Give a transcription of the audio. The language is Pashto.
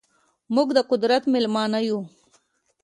موږ ده قدرت میلمانه یو